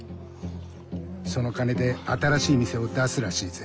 その金で新しい店を出すらしいぜ。